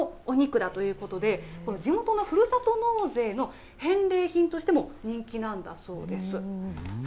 低カロリー、低脂肪、高タンパクの赤身のお肉だということで、この地元のふるさと納税の返礼品としても人気なんだそうです。